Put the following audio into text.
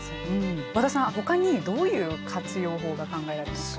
和田さんほかにどういう活用法が考えられますか。